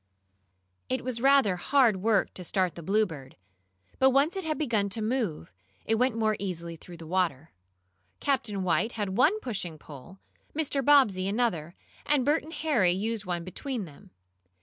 It was rather hard work to start the Bluebird, but once it had begun to move, it went more easily through the water. Captain White had one pushing pole, Mr. Bobbsey another, and Bert and Harry used one between them.